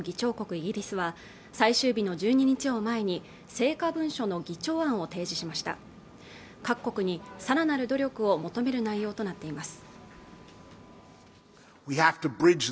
イギリスは最終日の１２日を前に成果文書の議長案を提示しました各国にさらなる努力を求める内容となっています